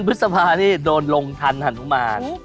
พร้อมกับตัวเด็นหัวราชแซม